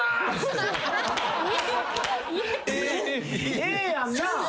ええやんな？